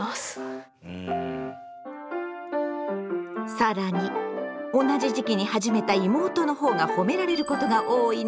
更に同じ時期に始めた妹の方が褒められることが多いのもつらい。